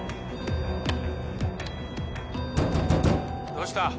どうした？